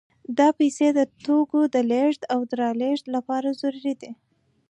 دا پیسې د توکو د لېږد رالېږد لپاره ضروري دي